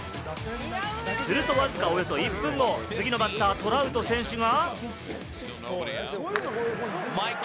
するとわずか１分後、次のバッター、トラウト選手が。